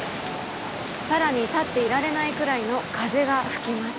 更に立っていられないくらいの風が吹きます。